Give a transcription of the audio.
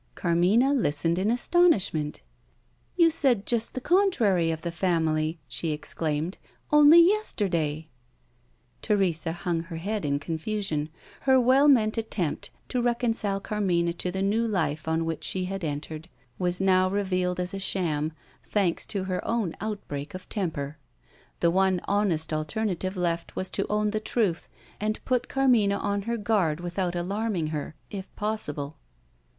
Carmina listened in astonishment. "You said just the contrary of the family," she exclaimed, "only yesterday!" Teresa hung her head in confusion. Her well meant attempt to reconcile Carmina to the new life on which she had entered was now revealed as a sham, thanks to her own outbreak of temper. The one honest alternative left was to own the truth, and put Carmina on her guard without alarming her, if possible.